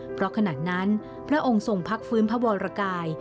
เพราะขณะนั้นพระองค์ทรงพักฟื้นพระวรกาย